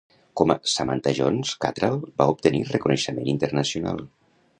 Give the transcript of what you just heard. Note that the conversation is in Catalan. Com a Samantha Jones, Cattrall va obtenir reconeixement internacional.